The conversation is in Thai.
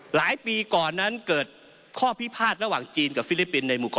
หลายปีก่อนนั้นเกิดข้อพิพาทระหว่างจีนกับฟิลิปปินส์ในหมู่๙